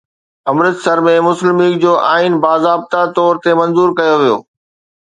امرتسر ۾ مسلم ليگ جو آئين باضابطه طور منظور ڪيو ويو